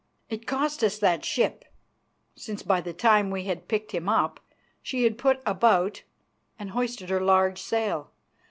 It cost us that ship, since by the time we had picked him up she had put about and hoisted her large sail.